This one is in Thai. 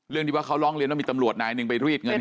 ที่ว่าเขาร้องเรียนว่ามีตำรวจนายหนึ่งไปรีดเงิน